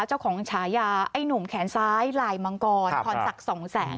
ฉายาไอ้หนุ่มแขนซ้ายลายมังกรพรศักดิ์สองแสง